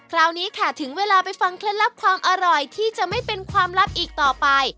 คราวนี้ค่ะถึงเวลาไปฟังเคล็ดลับความอร่อยที่จะไม่เป็นความลับอีกต่อไป